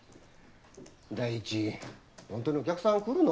第一ホントにお客さん来るの？